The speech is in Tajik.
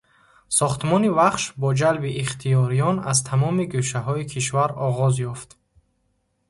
Сохтмони Вахш бо ҷалби ихтиёриён аз тамоми гӯшаҳои кишвар оғоз ёфт.